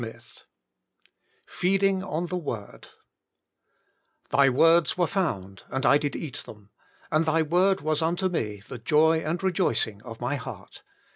XXIII FEEDING ON THE T70ED " Thy words were found and I did eat them ; and Thy word was unto me the joy and rejoicing of my heart."